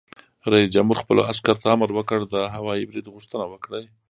رئیس جمهور خپلو عسکرو ته امر وکړ؛ د هوايي برید غوښتنه وکړئ!